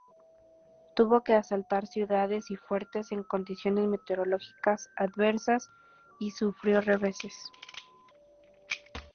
Tuvo que asaltar ciudades y fuertes en condiciones meteorológicas adversas y sufrió reveses.